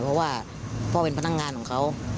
เพราะว่าพ่อเป็นพนักงานของเขา